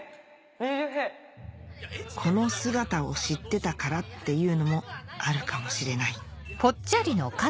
２０へこの姿を知ってたからっていうのもあるかもしれない誰？